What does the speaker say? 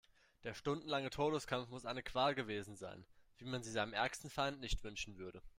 Der stundenlange Todeskampf muss eine Qual gewesen sein, wie man sie seinem ärgsten Feind nicht wünschen würde.